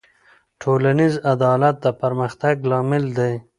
ټولنیز عدالت د پرمختګ لامل دی.